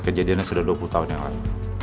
kejadiannya sudah dua puluh tahun yang lalu